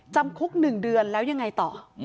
จำคุก๑เดือนแล้วยังไงต่อ